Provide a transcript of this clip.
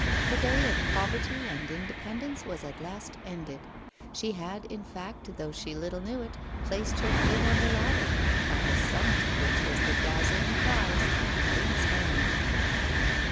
Her day of poverty and independence was at last ended. She had, in fact, though she little knew it, placed her foot on the ladder, at the summit of which was the dazzling prize of the King's hand.